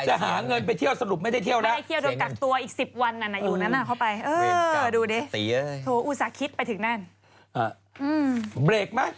เชียร์ที่คำพร